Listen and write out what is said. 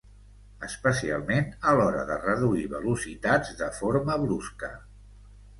Especialment a l'hora de reduir velocitats de forma brusca.